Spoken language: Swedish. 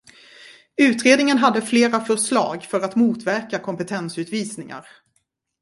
Utredningen har flera förslag för att motverka kompetensutvisningar.